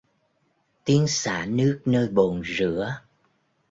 Tiếng xả nước nơi bồn rửa